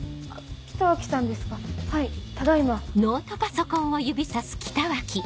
北脇さんですかはいただ今。